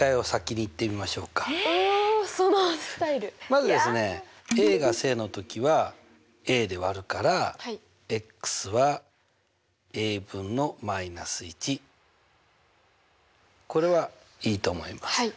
まずですねが正の時はで割るからこれはいいと思います。